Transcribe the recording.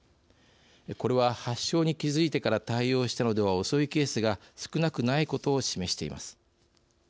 これは、発症に気付いてから対応したのでは遅いケースが少なくないことを示しています。